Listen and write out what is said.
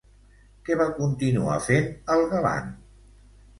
Què va continuar fent el galant?